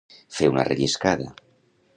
Fer una relliscada.